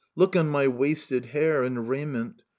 Look on my wasted hair And raiment.